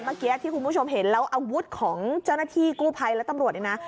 เมื่อกี้ที่คุณผู้ชมเห็นแล้วอาวุธของเจ้าหน้าที่กู้ภัยและตำรวจเนี่ยนะ